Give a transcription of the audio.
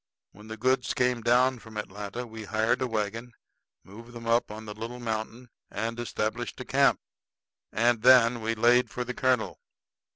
When the goods came down from Atlanta, we hired a wagon, moved them up on the little mountain, and established camp. And then we laid for the colonel.